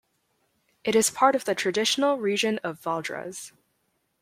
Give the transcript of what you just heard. It is part of the traditional region of Valdres.